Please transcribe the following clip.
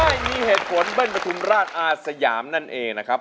เอ้ายมีเหตุผลบิ้นประทุนราชอสยามนั่นเองนะครับ